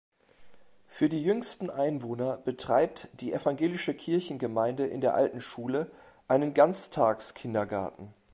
Für die jüngsten Einwohner betreibt die evangelische Kirchengemeinde in der alten Schule einen Ganztags-Kindergarten.